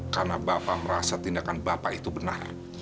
karena bapak merasa tindakan bapak itu benar